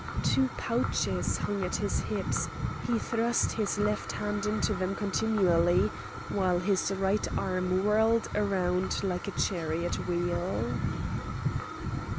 Two pouches hung at his hips; he thrust his left hand into them continually, while his right arm whirled round like a chariot wheel.